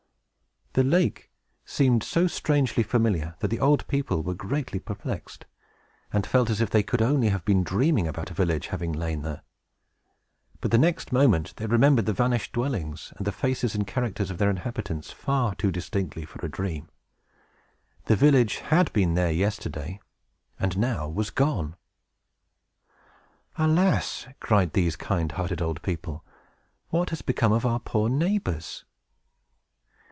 The lake seemed so strangely familiar, that the old couple were greatly perplexed, and felt as if they could only have been dreaming about a village having lain there. But, the next moment, they remembered the vanished dwellings, and the faces and characters of the inhabitants, far too distinctly for a dream. The village had been there yesterday, and now was gone! "Alas!" cried these kind hearted old people, "what has become of our poor neighbors?"